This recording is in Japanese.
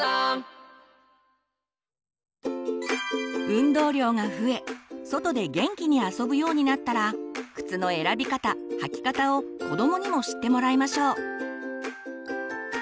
運動量が増え外で元気に遊ぶようになったら靴の選び方履き方を子どもにも知ってもらいましょう。